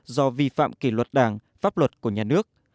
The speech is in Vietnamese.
do vi phạm kỷ luật đảng pháp luật của nhà nước